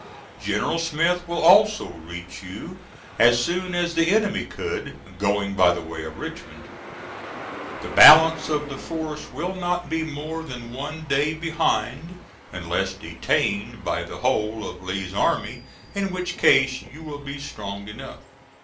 General Smith will also reach you as soon as the enemy could, going by the way of Richmond. The balance of the force will not be more than one day behind, unless detained by the whole of Lee's army, in which case you will be strong enough.